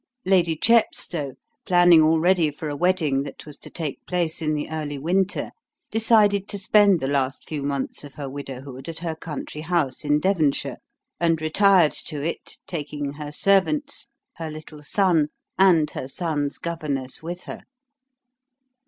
Lady Chepstow, planning already for a wedding that was to take place in the early winter, decided to spend the last few months of her widowhood at her country house in Devonshire, and retired to it taking her servants, her little son, and her son's governess with her.